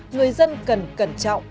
người dân cần cẩn trọng